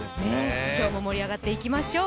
今日も盛り上がっていきましょう。